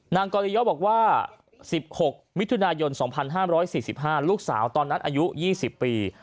นางกริเยาะศรียาภัยบอกว่า๑๖มิถุนายน๒๕๔๕ลูกสาวตอนนั้นอายุ๒๐ปี